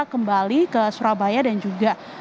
kembali ke surabaya dan juga